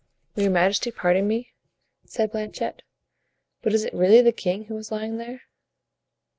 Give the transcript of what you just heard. "Will your majesty pardon me," said Planchet, "but is it really the king who is lying there?"